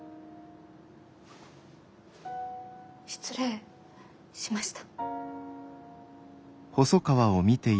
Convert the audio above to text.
失礼しました。